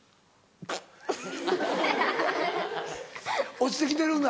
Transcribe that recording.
落ちて来てるんだ。